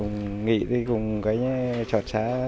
nghĩ thì cũng trọt xa